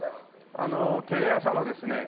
あのテレ朝のですね